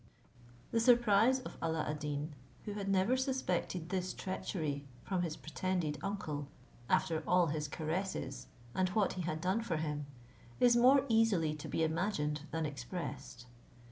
The surprise of Alla ad Deen, who had never suspected this treachery from his pretended uncle, after all his caresses and what he had done for him, is more easily to be imagined than expressed.